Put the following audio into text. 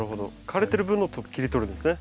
枯れてる分を切り取るんですね。